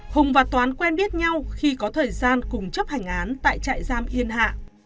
hùng và toán quen biết nhau khi có thời gian cùng chấp hành án tại trại giam yên hạ